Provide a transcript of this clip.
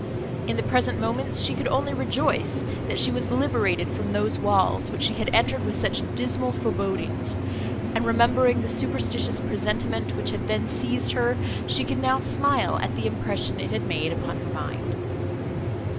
In the present moments, she could only rejoice, that she was liberated from those walls, which she had entered with such dismal forebodings; and, remembering the superstitious presentiment, which had then seized her, she could now smile at the impression it had made upon her mind.